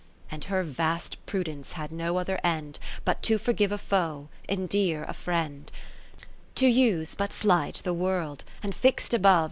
And her vast prudence had no other end, But to forgive a foe, endear a fdend : To use, but slight, the World ; and fixt above.